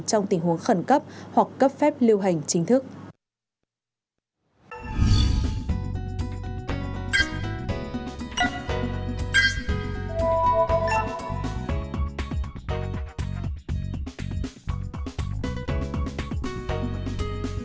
trong tình huống khẩn cấp hoặc cấp phép lưu hành chính thức